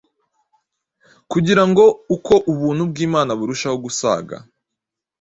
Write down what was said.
kugira ngo uko ubuntu bw’Imana burushaho gusaga,